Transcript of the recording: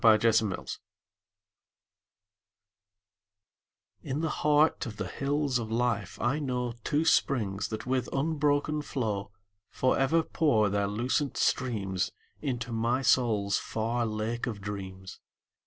My Springs In the heart of the Hills of Life, I know Two springs that with unbroken flow Forever pour their lucent streams Into my soul's far Lake of Dreams.